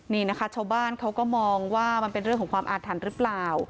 นี่นะคะชาวบ้านเขาก็มองว่ามันเป็นเรื่องของความอาถรรพ์หรือเปล่า